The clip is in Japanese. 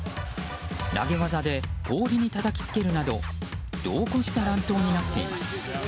投げ技で氷にたたきつけるなど度を超した乱闘になっています。